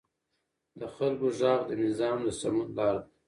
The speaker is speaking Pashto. د خلکو غږ د نظام د سمون لار ده